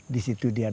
di situ dia dapat